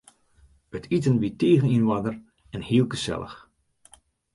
It iten wie tige yn oarder en hiel gesellich.